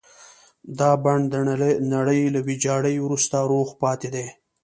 دا بڼ د نړۍ له ويجاړۍ وروسته روغ پاتې دی.